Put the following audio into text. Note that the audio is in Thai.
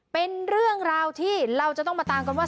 เป็นเรื่องราวที่เราจะต้องมาตามกันว่า